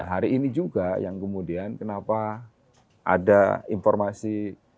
hari ini juga yang kemudian kenapa ada informasi